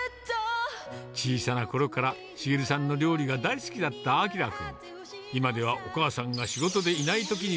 小さなころから、繁さんの料理が大好きだったあきら君。